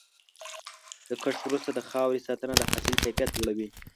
د کښت وروسته د خاورې ساتنه د حاصل کیفیت لوړوي.